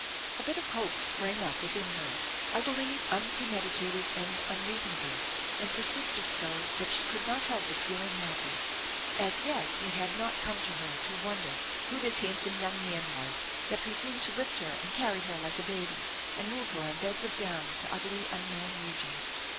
A bit of hope sprang up within her, utterly unpremeditated and unreasonable, and persisted so that she could not help feeling happy. As yet it had not come to her to wonder who this handsome young man wae that presumed to lift her and carry her like a baby, and move her on beds of down to utterly unknown regions.